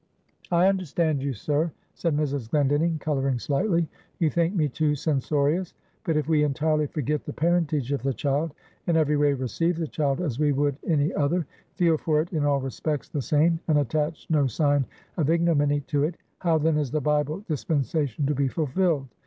"I understand you, sir," said Mrs. Glendinning, coloring slightly, "you think me too censorious. But if we entirely forget the parentage of the child, and every way receive the child as we would any other, feel for it in all respects the same, and attach no sign of ignominy to it how then is the Bible dispensation to be fulfilled?